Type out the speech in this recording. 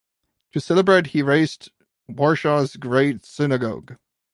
To celebrate he razed Warsaw's Great Synagogue.